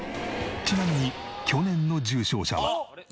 ちなみに去年の受賞者は。